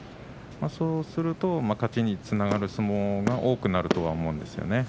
そうすると勝ちにつながる相撲が多くなると思うんです。